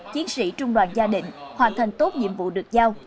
chiến sĩ trung đoàn gia đình hoàn thành tốt nhiệm vụ được giao